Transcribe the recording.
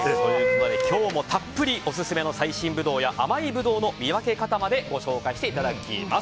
今日もたっぷりオススメの最新ブドウや甘いブドウの見分け方までご紹介していただきます。